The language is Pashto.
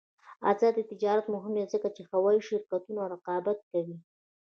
آزاد تجارت مهم دی ځکه چې هوايي شرکتونه رقابت کوي.